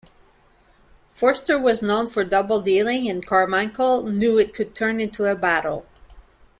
Forster was known for double-dealing, and Carmichael knew it could turn into a battle.